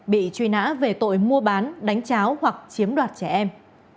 bị truy nã về tội mua bán đánh cháo hoặc chiếm đoạt trẻ em